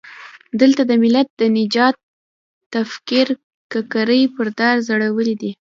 دلته د ملت د نجات تفکر ککرۍ پر دار ځړېدلي دي.